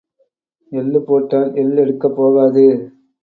எள்ளுப் போட்டால் எள் எடுக்கப் போகாது.